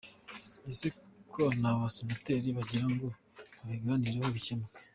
Ese bo nta basenateri bagira ngo babiganireho bikemuke?”.